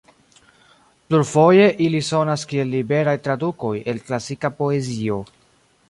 Plurfoje ili sonas kiel liberaj tradukoj el klasika poezio.